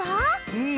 うん。